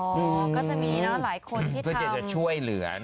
ก็จะมีเนี่ยหลายคนที่จะช่วยเหลือ